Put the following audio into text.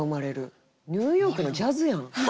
ニューヨークのジャズやん！